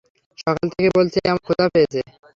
সকাল থেকে বলছি আমার ক্ষুধা পেয়েছে।